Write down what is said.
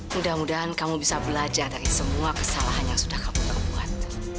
mudah mudahan kamu bisa belajar dari semua kesalahan yang sudah kamu terbuat